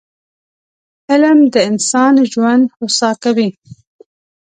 علم د انسان ژوند هوسا کوي